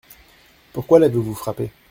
Pourquoi l’avez-vous frappé ?